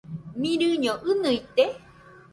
Mirɨño ɨnɨite?